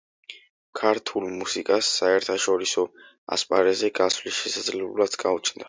ქართულ მუსიკას საერთაშორისო ასპარეზზე გასვლის შესაძლებლობაც გაუჩნდა.